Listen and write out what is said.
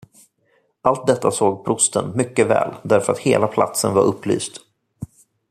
Allt detta såg prosten mycket väl, därför att hela platsen var upplyst.